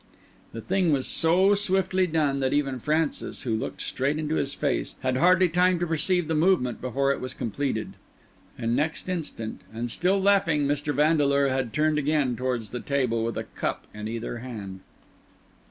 The thing was so swiftly done that even Francis, who looked straight into his face, had hardly time to perceive the movement before it was completed. And next instant, and still laughing, Mr. Vandeleur had turned again towards the table with a cup in either hand.